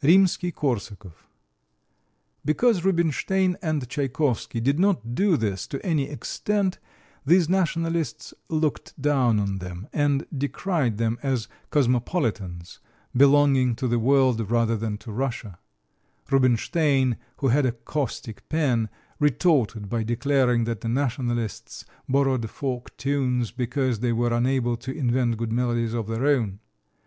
[Illustration: MILI BALAKIREF] [Illustration: RIMSKY KORSAKOV] [Illustration: ALEXANDER P. BORODIN] Because Rubinstein and Tchaikovsky did not do this to any extent these nationalists looked down on them, and decried them as cosmopolitans belonging to the world rather than to Russia. Rubinstein, who had a caustic pen, retorted by declaring that the nationalists borrowed folk tunes because they were unable to invent good melodies of their own.